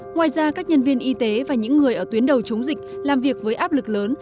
ngoài ra các nhân viên y tế và những người ở tuyến đầu chống dịch làm việc với áp lực lớn